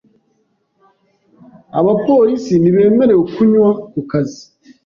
Abapolisi ntibemerewe kunywa ku kazi.